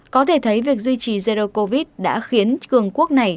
có thể thấy việc duy trì erdo covid đã khiến cường quốc này